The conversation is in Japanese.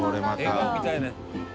笑顔見たいね。